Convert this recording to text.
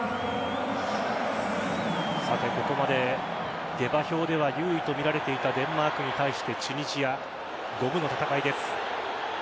ここまで下馬評では優位とみられていたデンマークに対してチュニジア、五分の戦いです。